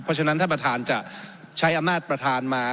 เพราะฉะนั้นท่านประธานจะใช้อำนาจประธานมา